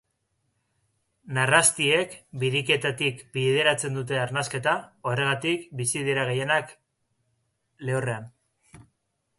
Narrastiek biriketatik bideratzen dute arnasketa, horregatik bizi dira gehienak lehorrean.